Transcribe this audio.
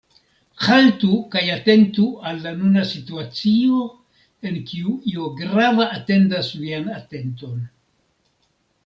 Haltu kaj atentu al la nuna situacio, en kiu io grava atendas vian atenton.